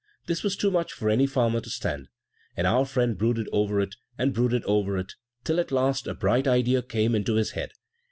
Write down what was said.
This was too much for any farmer to stand; and our friend brooded over it, and brooded over it, till at last a bright idea came into his head.